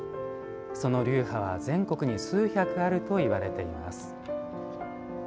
その流派は全国に数百あるといわれています。